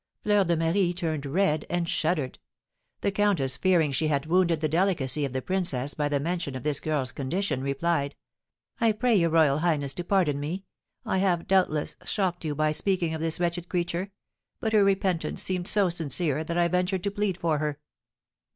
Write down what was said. Fleur de Marie turned red and shuddered. The countess, fearing she had wounded the delicacy of the princess by the mention of this girl's condition, replied: "I pray your royal highness to pardon me; I have, doubtless, shocked you by speaking of this wretched creature, but her repentance seemed so sincere that I ventured to plead for her."